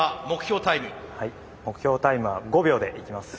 目標タイムは５秒でいきます。